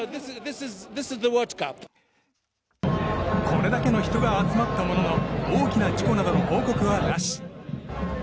これだけの人が集まったものの大きな事故などの報告はなし。